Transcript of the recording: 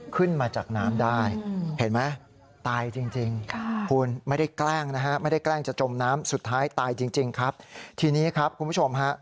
ขึ้นมาจากน้ำได้เห็นไหม